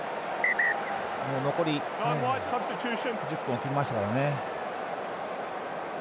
残り１０分を切りましたからね。